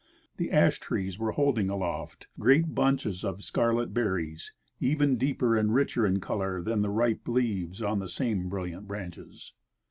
The ash trees were holding aloft great bunches of scarlet berries, CA^en deeper and richer in color than the ripe leaves on the same brilliant branches.